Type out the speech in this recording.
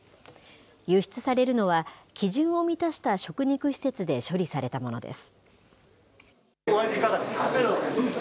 輸出されるのは、基準を満たした食肉施設で処理されたものです。